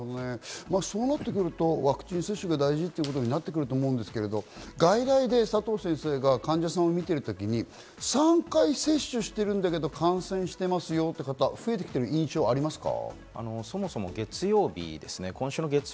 そうなるとワクチン接種が大事ということになってくると思うんですが、外来で佐藤先生が患者さんを診ている時、３回接種しているんだけれど感染していますよという方は増えてきている印象はありますか？